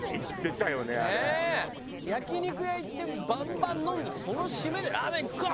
焼肉屋行ってバンバン飲んでその締めでラーメン行くか！